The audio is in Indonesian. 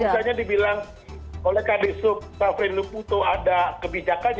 misalnya dibilang oleh kd sub pak syafrin lukuto ada kebijakan